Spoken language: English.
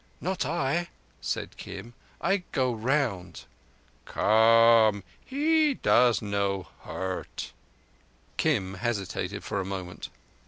"Not I," said Kim". "I go round." "Come. He does no hurt." Kim hesitated for a moment.